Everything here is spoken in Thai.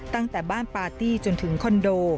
ตั้งแต่บ้านปาร์ตี้จนถึงคอนโด